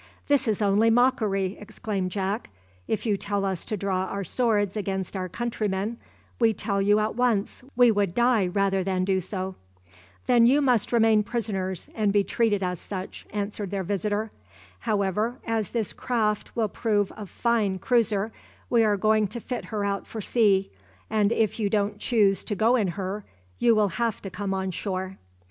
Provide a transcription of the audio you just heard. "This is only mockery!" exclaimed Jack. "If you tell us to draw our swords against our countrymen, we tell you at once, we would die rather than do so!" "Then you must remain prisoners, and be treated as such," answered their visitor. "However, as this craft will prove a fine cruiser, we are going to fit her out for sea, and if you don't choose to go in her, you will have to come on shore."